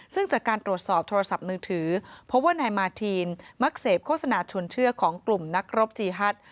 ซึ่งจากการตรวจสอบโทรศัพท์มือถือพบว่านายมาทีนมักเสพโฆษณาชวนเชื่อของกลุ่มนักรบจีฮัต